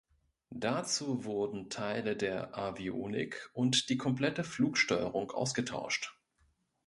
Dazu wurden Teile der Avionik und die komplette Flugsteuerung ausgetauscht.